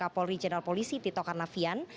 kapolri jenderal polisi tito karnavian